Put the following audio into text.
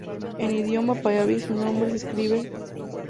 En idioma panyabí su nombre se escribe Harjit Harman.